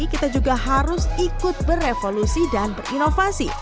kita juga harus ikut berevolusi dan berinovasi